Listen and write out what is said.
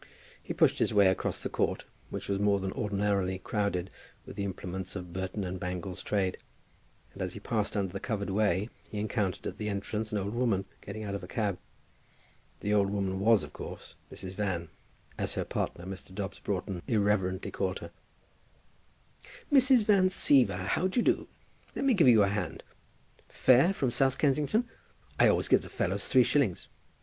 He pushed his way across the court, which was more than ordinarily crowded with the implements of Burton and Bangles' trade, and as he passed under the covered way he encountered at the entrance an old woman getting out of a cab. The old woman was, of course, Mother Van, as her partner, Mr. Dobbs Broughton, irreverently called her. "Mrs. Van Siever, how d'ye do? Let me give you a hand. Fare from South Kensington? I always give the fellows three shillings."